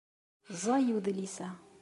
Ẓẓay udlis-a.